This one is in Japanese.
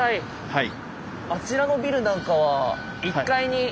はい。